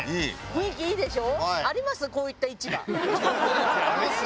雰囲気いいでしょ。